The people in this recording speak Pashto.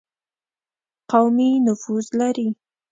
قومي نفوذ لري.